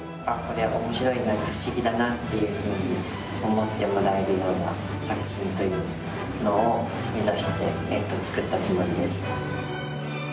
あっこれ面白いな不思議だなっていうふうに思ってもらえるような作品というのを目指して作ったつもりです。